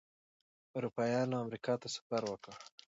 اروپایانو امریکا ته سفر وکړ.